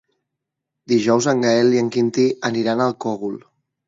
Dijous en Gaël i en Quintí aniran al Cogul.